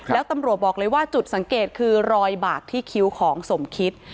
แล้วตำรวจบอกเลยว่าจุดสังเกตคือรอยบากที่คิ้วของสมคิต